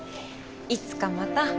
いつかまた